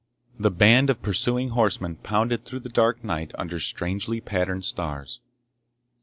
The band of pursuing horsemen pounded through the dark night under strangely patterned stars.